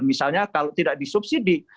misalnya kalau tidak disubsidi